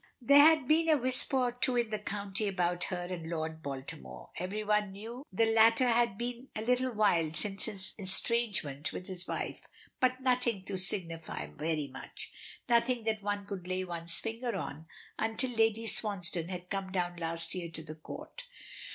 There had been a whisper or two in the County about her and Lord Baltimore. Everybody knew the latter had been a little wild since his estrangement with his wife, but nothing to signify very much nothing that one could lay one's finger on, until Lady Swansdown had come down last year to the Court.